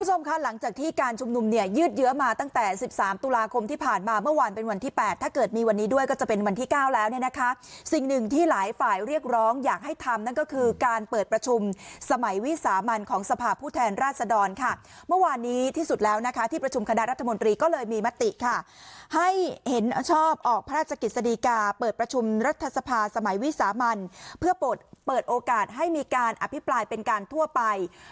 คุณผู้ชมค่ะหลังจากที่การชุมนุมเนี่ยยืดเยอะมาตั้งแต่สิบสามตุลาคมที่ผ่านมาเมื่อวันเป็นวันที่แปดถ้าเกิดมีวันนี้ด้วยก็จะเป็นวันที่เก้าแล้วเนี่ยนะคะสิ่งหนึ่งที่หลายฝ่ายเรียกร้องอยากให้ทำนั่นก็คือการเปิดประชุมสมัยวีสามัญของสภาพผู้แทนราชดรค่ะเมื่อวานนี้ที่สุดแล้วนะคะที่ประชุมคณะรั